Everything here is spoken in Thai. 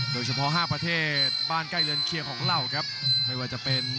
โดยเฉพาะห้าประเทศบ้านใกล้เรือนเคียงของเราครับไม่ว่าจะเป็น